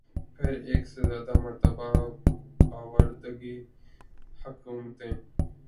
پھر ایک سے زیادہ مرتبہ باوردی حکومتیں۔